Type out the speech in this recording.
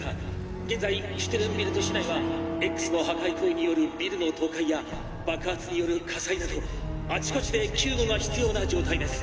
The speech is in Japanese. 現在シュテルンビルト市内はＸの破壊行為によるビルの倒壊や爆発による火災などあちこちで救護が必要な状態です」。